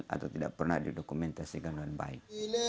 atau tidak pernah didokumentasikan dengan baik